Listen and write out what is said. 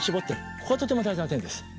こことても大事な点です。